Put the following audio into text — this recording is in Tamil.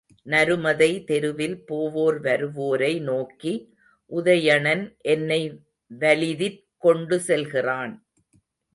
நருமதை தெருவில் போவோர் வருவோரை நோக்கி, உதயணன் என்னை வலிதிற் கொண்டுசெல்கிறான்.